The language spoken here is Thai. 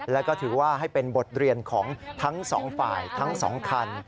แล้วก็ถือว่าให้เป็นบทเรียนของทั้งสองฝ่ายทั้งสองคัน